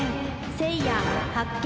せいや発見。